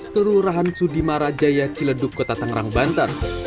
terurahan cudimara jaya ciledup kota tangerang banten